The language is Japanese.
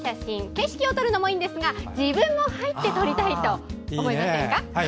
景色を撮るのもいいんですが自分も入って撮りたいと思いませんか？